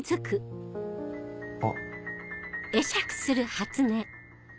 あっ。